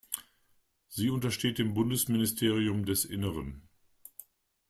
Sie untersteht dem Bundesministerium des Innern.